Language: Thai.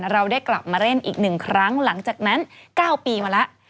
เราได้กลับมาเล่นอีก๑ครั้งหลังจากนั้น๙ปีมาแล้ว